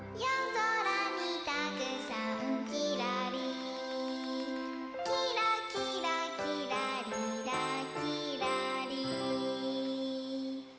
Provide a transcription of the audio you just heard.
ぞらにたくさんきらり」「きらきらきらりらきらりん」